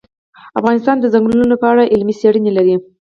افغانستان د ځنګلونه په اړه علمي څېړنې لري.